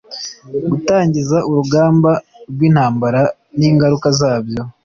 Gutangiza urugamba rw intambara n ingaruka zabyo